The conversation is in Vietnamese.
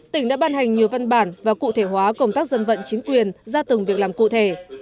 tỉnh đã ban hành nhiều văn bản và cụ thể hóa công tác dân vận chính quyền ra từng việc làm cụ thể